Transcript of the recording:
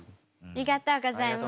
ありがとうございます。